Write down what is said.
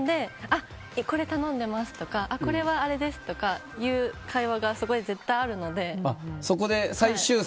これ頼んでますとかこれはあれですという会話がそこで絶対にあるので。